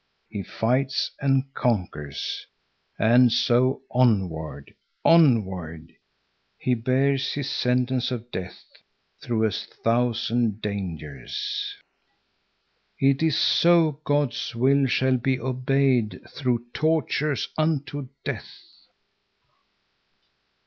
He fights and conquers. And so onward, onward! He bears his sentence of death through a thousand dangers. … It is so God's will shall be obeyed through tortures unto death.